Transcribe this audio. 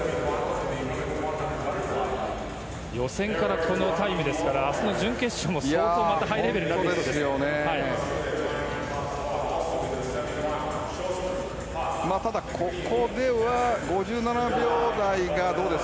予選からこのタイムですから明日の準決勝も、相当ハイレベルになってきそうです。